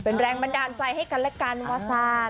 เป็นแรงบันดาลไฟให้กันและกันว่าซาน